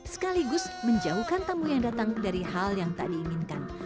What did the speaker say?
sekaligus menjauhkan tamu yang datang dari hal yang tak diinginkan